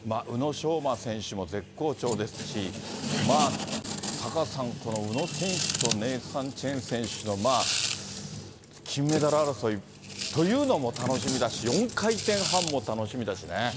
宇野昌磨選手も絶好調ですし、タカさん、この宇野選手とネイサン・チェン選手の金メダル争いというのも楽しみだし、４回転半も楽しみだしね。